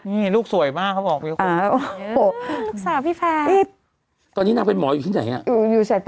นี่ลูกสวยมากเขาบอกอยู่คุณ